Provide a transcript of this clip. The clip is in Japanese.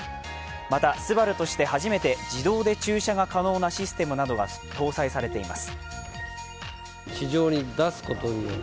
また、ＳＵＢＡＲＵとして初めて自動で駐車が可能なシステムなどが搭載されています。